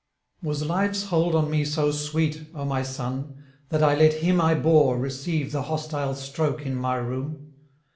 'Was life's hold on me so sweet, O my son, that I let him I bore receive the hostile stroke in my room?